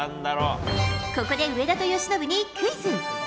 ここで上田と由伸にクイズ。